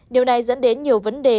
điều này dẫn đến nhiều vấn đề